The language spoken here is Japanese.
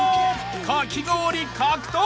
［かき氷獲得！］